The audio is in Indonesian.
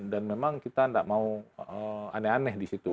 dan memang kita tidak mau aneh aneh di situ